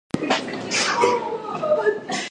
人人生而自由，在尊严和权利上一律平等。